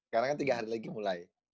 karena kan tiga hari lagi mulai